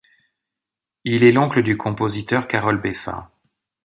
Il est l'oncle du compositeur Karol Beffa.